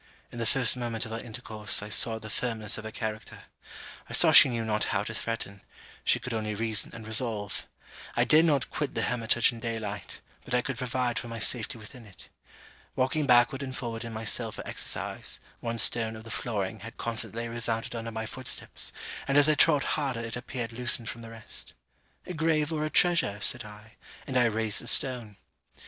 In the first moment of our intercourse, I saw the firmness of her character. I saw she knew not how to threaten; she could only reason and resolve. I dared not quit the hermitage in day light, but I could provide for my safety within it. Walking backward and forward in my cell for exercise, one stone of the flooring had constantly resounded under my footsteps, and as I trod harder it appeared loosened from the rest. 'A grave or a treasure?' said I, and I raised the stone.